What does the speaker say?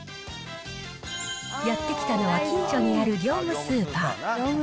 やって来たのは近所にある業務スーパー。